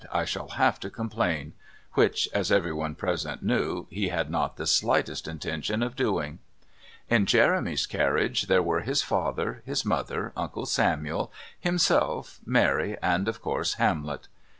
I shall have to complain," which, as everyone present knew, he had not the slightest intention of doing. In Jeremy's carriage there were his father, his mother, Uncle Samuel, himself, Mary, and, of course, Hamlet.